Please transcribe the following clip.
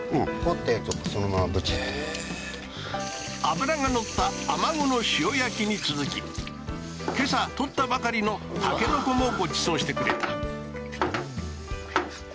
脂が乗ったアマゴの塩焼きに続き今朝採ったばかりのタケノコもごちそうしてくれた